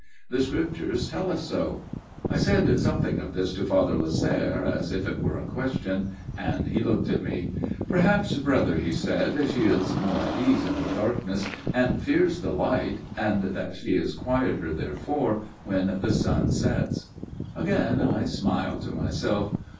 The Scriptures tell us so. " I said something of this to Father Lasserre, as if it were a question, and he looked at me. "' Perhaps, brother,' he said, ' she is more at ease in the darkness and fears the light, and that she is quieter therefore when the sun Sets.' " Again I smiled to myself.